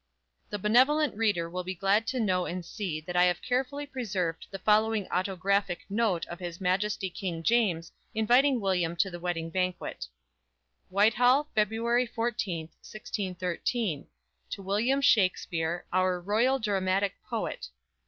The benevolent reader will be glad to know and see that I have carefully preserved the following autographic note of His Majesty King James, inviting William to the wedding banquet: "WHITEHALL, Feb. 14th, 1613. "To WILLIAM SHAKSPERE, "Our Royal Dramatic Poet.